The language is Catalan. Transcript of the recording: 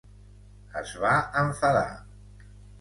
Es va enfadar.